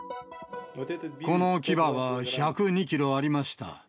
この牙は１０２キロありました。